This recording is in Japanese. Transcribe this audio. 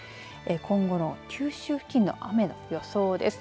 今後の九州付近の雨の予想です。